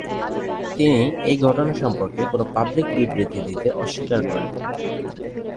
তিনি এই ঘটনা সম্পর্কে কোনো পাবলিক বিবৃতি দিতে অস্বীকার করেন।